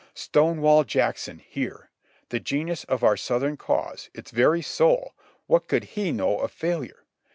Stonewall Jackson here ! the genius of our Southern cause — its very soul — what could he know of failure?